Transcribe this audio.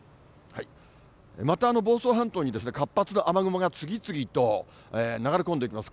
また房総半島に活発な雨雲が次々と流れ込んできます。